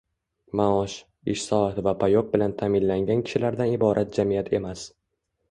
maosh, ish soati va «payok» bilan ta’minlangan kishilardan iborat jamiyat emas